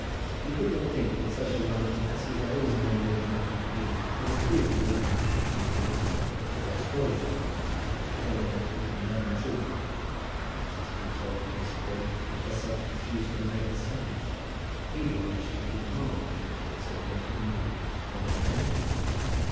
He could not think that such a one as he had always known Lady Lufton to be would approve of a marriage between Henry Grantly and Grace Crawley. At any rate, he would learn the truth. He had once been told that Grace Crawley had herself refused to marry his son, feeling that she would do wrong to inflict so great an injury upon any gentleman.